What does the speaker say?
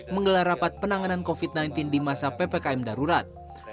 menggelar rapat penanganan covid sembilan belas di masa ppkm darurat